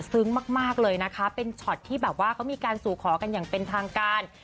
มากเลยนะคะเป็นช็อตที่แบบว่าเขามีการสู่ขอกันอย่างเป็นทางการ